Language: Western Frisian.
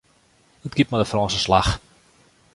It giet mei de Frânske slach.